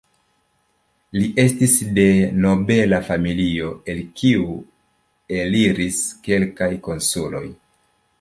Li estis de nobela familio el kiu eliris kelkaj konsuloj.